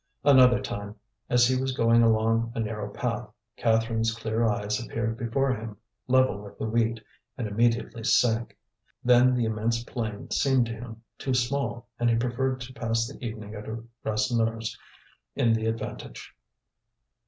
Another time, as he was going along a narrow path, Catherine's clear eyes appeared before him, level with the wheat, and immediately sank. Then the immense plain seemed to him too small, and he preferred to pass the evening at Rasseneur's, in the Avantage.